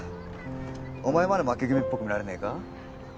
お前まで負け組っぽく見られねえか？